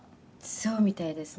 「そうみたいですね。